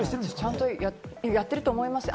ちゃんとやってると思います。